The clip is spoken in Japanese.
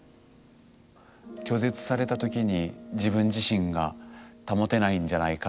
拒絶されたときに自分自身が保てないんじゃないかという不安。